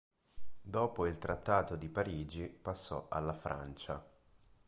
Dopo il trattato di Parigi passò alla Francia.